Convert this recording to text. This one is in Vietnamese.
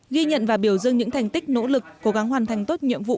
ghi nhận và biểu dương những thành tích nỗ lực cố gắng hoàn thành tốt nhiệm vụ